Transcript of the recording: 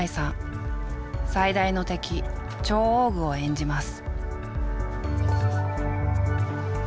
最大の敵チョウオーグを演じます。